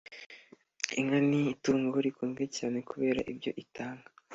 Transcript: Inka ni itungo rikunzwe cyane kubera ibyo itanga